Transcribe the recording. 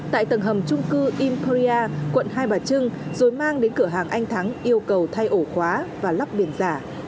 tại tầng hầm trung cư imprea quận hai bà trưng rồi mang đến cửa hàng anh thắng yêu cầu thay ổ khóa và lắp biển giả